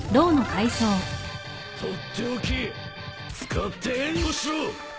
取って置き使って援護しろ！